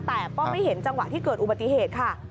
แต่ก็ไม่เห็นจังหวะที่เกิดอุบัติเหตุค่ะ